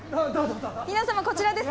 皆様こちらです。